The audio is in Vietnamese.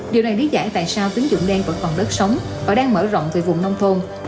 điều này đí dạy tại sao tín dụng đen vẫn còn đất sống và đang mở rộng về vùng nông thôn